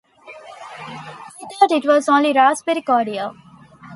I thought it was only raspberry cordial.